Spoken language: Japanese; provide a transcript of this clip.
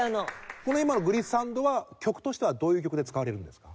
この今のグリッサンドは曲としてはどういう曲で使われるんですか？